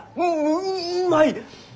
ううまい！